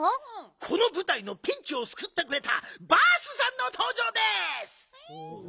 このぶたいのピンチをすくってくれたバースさんのとうじょうです！